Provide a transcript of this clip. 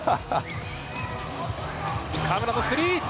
河村のスリー。